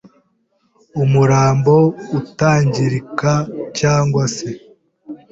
umurambo utangirika cyangwa se